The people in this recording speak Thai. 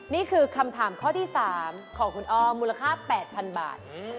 นี่คือคำถามข้อที่๓ของคุณอ้อมมูลค่า๘๐๐๐บาท